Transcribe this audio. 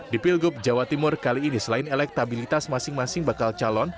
di pilgub jawa timur kali ini selain elektabilitas masing masing bakal calon